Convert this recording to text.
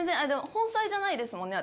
本妻じゃないですもんね。